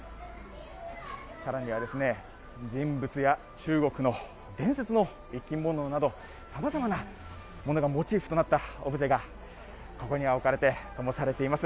さらには人物や、中国の伝説の生き物など、さまざまなものがモチーフとなったオブジェがここには置かれてともされています。